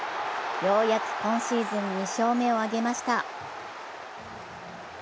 ようやく今シーズン２勝目をあげました。